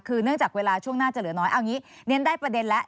คือเนื่องจากเวลาช่วงหน้าจะเหลือน้อยเอาอย่างนี้เรียนได้ประเด็นแล้ว